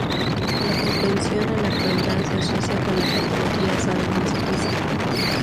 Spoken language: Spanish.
La propensión a la crueldad se asocia con la patología sadomasoquista.